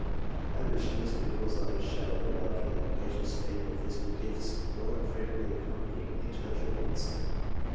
(I mention this, because I shall hereafter have occasion to speak of physical gifts not unfrequently accompanying intellectual ones.)